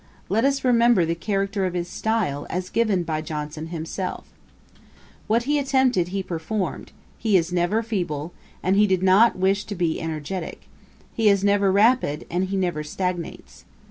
Let us remember the character of his style, as given by Johnson himself: 'What he attempted, he performed; he is never feeble, and he did not wish to be energetick; he is never rapid, and he never stagnates.